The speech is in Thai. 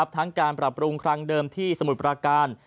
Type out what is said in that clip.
ทั้งการปรับปรุงครั้งเดิมที่สมุทรปราการ